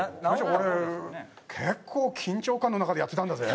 俺結構緊張感の中でやってたんだぜ。